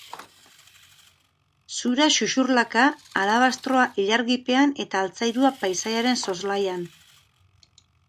Zura xuxurlaka, alabastroa ilargipean eta altzairua paisaiaren soslaian.